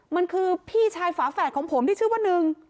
มันคือพี่ชายฝาแฝดของผมที่ชื่อว่าหนึ่ง